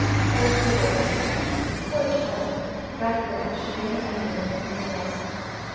Poor Dolores! poor child! God grant she may have entered into his rest!